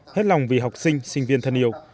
hết lòng vì học sinh sinh viên thân yêu